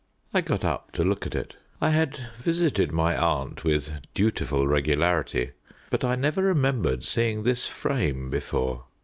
I got up to look at it. I had visited my aunt with dutiful regularity, but I never remembered seeing this frame before.